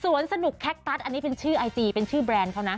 สนุกแคคตัสอันนี้เป็นชื่อไอจีเป็นชื่อแบรนด์เขานะ